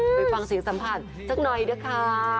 ไปฟังเสียงสัมภาษณ์สักหน่อยนะคะ